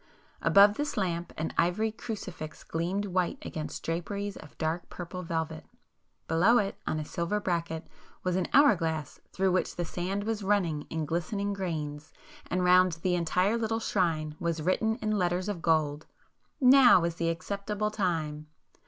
Above this lamp an ivory crucifix gleamed white against draperies of dark purple velvet,—below it, on a silver bracket, was an hour glass through which the sand was running in glistening grains, and round the entire little shrine was written in letters of gold "Now is the acceptable time!"